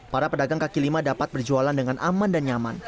para pedagang kaki lima dapat berjualan dengan aman dan nyaman